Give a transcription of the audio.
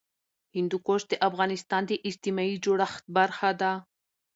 هندوکش د افغانستان د اجتماعي جوړښت برخه ده.